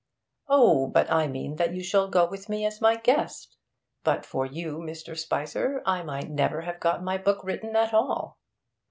'Oh, but I mean that you shall go with me as my guest! But for you, Mr. Spicer, I might never have got my book written at all.'